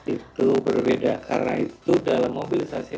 itu berbeda karena itu dalam mobilisasi